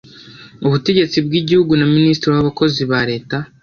ubutegetsi bw igihugu na minisitiri w abakozi ba leta